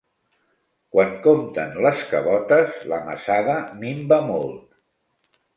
Quan compten les cabotes, la mesada minva molt.